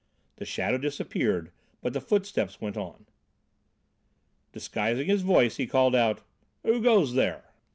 The shadow disappeared, but the footsteps went on. Disguising his voice he called out: "Who goes there?"